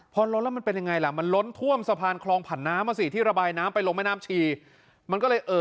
พอล้นแล้วมันเป็นยังไงล่ะมันล้นทั่วมสะพานคลองผ่านน้ำ